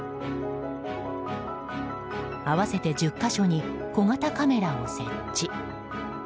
合わせて１０か所に小型カメラを設置。